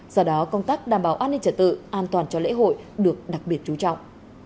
do đó công tác đảm bảo an ninh trả tự an toàn cho lễ hội được đặc biệt chú trọng